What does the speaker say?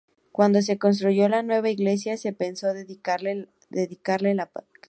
Cuando se construyó la nueva iglesia se pensó dedicarle la capilla.